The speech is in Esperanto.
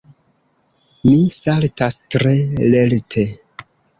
Mi saltas tre lerte.